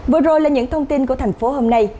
vừa rồi là những thông tin của thành phố hôm nay